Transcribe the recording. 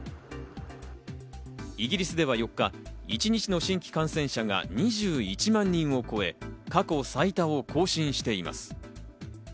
イギリスでは４日、一日の新規感染者が２１万人を超え、過去最多を更新しています。